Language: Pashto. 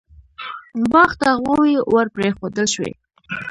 باغ ته غواوې ور پرېښودل شوې.